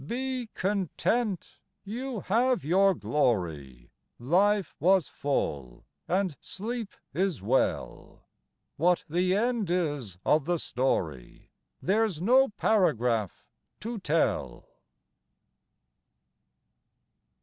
Be content; you have your glory; Life was full and sleep is well. What the end is of the story, There's no paragraph to tell.